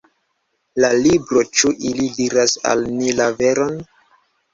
La libro Ĉu ili diras al ni la veron?